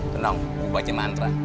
tenang gue baca mantra